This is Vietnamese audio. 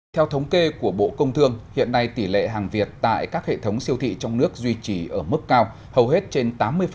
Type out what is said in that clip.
theo thống kê của bộ công thương hiện nay tỷ lệ hàng việt tại các hệ thống siêu thị trong nước duy trì ở mức cao hầu hết trên tám mươi